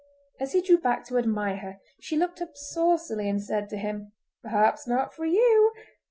As he drew back to admire her she looked up saucily, and said to him— "Perhaps not for you.